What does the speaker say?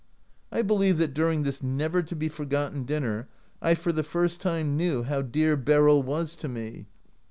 I believe that during this never to be forgot ten dinner I for the first time knew how dear Beryl was to me.